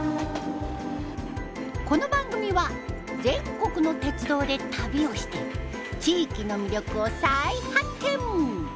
この番組は全国の鉄道で旅をして地域の魅力を再発見！